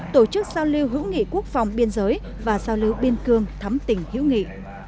tổ chức giao lưu hữu nghị quốc phòng biên giới và giao lưu biên cương thắm tỉnh hữu nghị